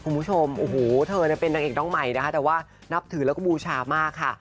คุณผู้ชมโอ้โหเธอเป็นนางเอกน้องใหม่นะคะแต่ว่านับถือแล้วก็บูชามากค่ะ